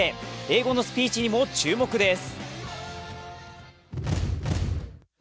英語のスピーチにも注目です。